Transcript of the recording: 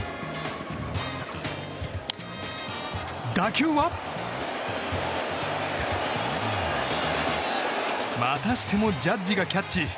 打球はまたしてもジャッジがキャッチ。